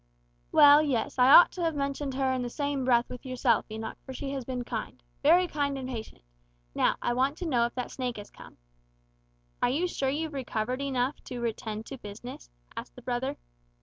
"Well, yes, I ought to have mentioned her in the same breath with yourself, Enoch, for she has been kind very kind and patient. Now, I want to know if that snake has come." "Are you sure you've recovered enough to attend to business?" asked the brother.